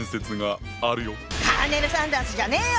カーネル・サンダースじゃねよ！